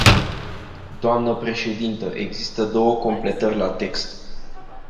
Doamnă președintă, există două completări la text.